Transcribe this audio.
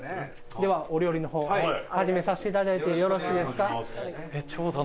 ではお料理の方始めさせていただいてよろしいですか？